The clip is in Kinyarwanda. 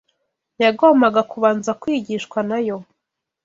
yagombaga kubanza kwigishwa na yo.